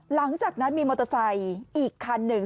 หลังจากนั้นมีมอเตอร์ไซค์อีกคันหนึ่ง